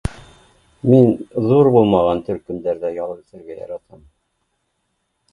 Мин ҙур булмаған төркөмдәрҙә ял итергә яратам